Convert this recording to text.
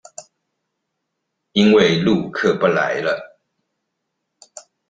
因為陸客不來了